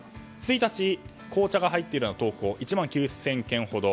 １日、紅茶が入ってる投稿１万９０００件ほど。